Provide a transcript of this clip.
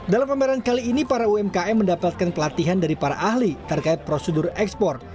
dalam pameran kali ini para umkm mendapatkan pelatihan dari para ahli terkait prosedur ekspor